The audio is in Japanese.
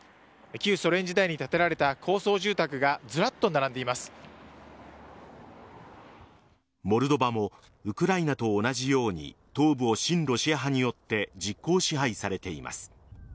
旧ソ連時代に建てられた高層住宅がモルドバもウクライナと同じように東部を親ロシア派によって実効支配されています。